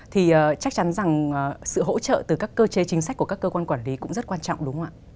thì chắc chắn rằng sự hỗ trợ từ các cơ chế chính sách của các cơ quan quản lý cũng rất quan trọng đúng không ạ